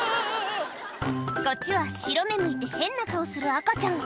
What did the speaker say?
こっちは白目むいて変な顔する赤ちゃん